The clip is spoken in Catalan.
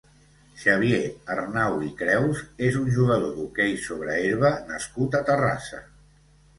Xavier Arnau i Creus és un jugador d'hoquei sobre herba nascut a Terrassa.